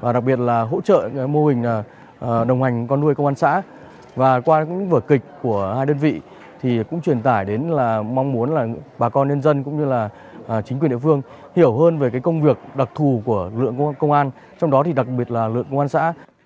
và đặc biệt là hỗ trợ mô hình đồng hành con nuôi công an xã và qua những vở kịch của hai đơn vị thì cũng truyền tải đến là mong muốn là bà con nhân dân cũng như là chính quyền địa phương hiểu hơn về cái công việc đặc thù của lực lượng công an công an trong đó thì đặc biệt là lượng công an xã